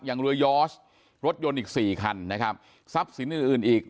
อย่างเรือยอสรถยนต์อีกสี่คันนะครับทรัพย์สินอื่นอื่นอีก